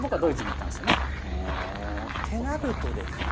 ってなるとですよ